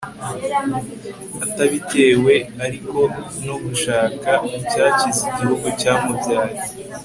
atabitewe ariko no gushaka icyakiza igihugu cyamubyaye